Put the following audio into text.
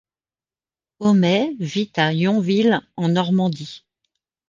Homais vit à Yonville, en Normandie.